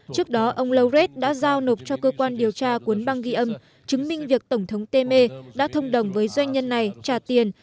trước đó ông laureth đã giao nộp cho cơ quan điều tra cuốn băng ghi âm chứng minh việc tổng thống temer đã thông đồng với doanh nhân này trả tiền